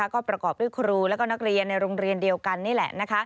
ก็ประกอบด้วยครูและนักเรียนในโรงเรียนเดียวกันนี่แหละ